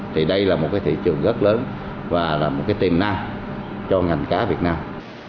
thì đây là một cái thị trường rất lớn và là một cái tiềm năng cho ngành cá việt nam